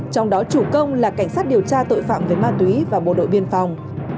trong đó chủ công là cảnh sát điều tra tội phạm về ma túy và bộ đội biên phòng